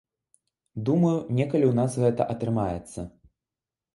Думаю, некалі ў нас гэта атрымаецца.